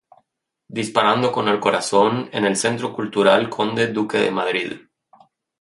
Disparando con el corazón" en el Centro Cultural Conde Duque de Madrid.